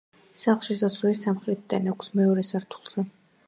სახლს შესასვლელი სამხრეთიდან აქვს, მეორე სართულზე.